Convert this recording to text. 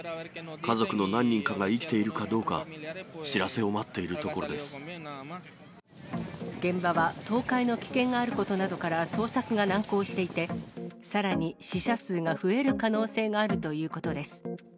家族の何人かが生きているかどうか、知らせを待っているところで現場は、倒壊の危険があることなどから捜索が難航していて、さらに死者数が増える可能性があるということです。